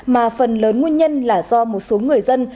mà phần lớn nguyên nhân là do một số người dân